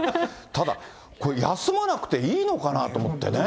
ただ休まなくていいのかなと思ってね。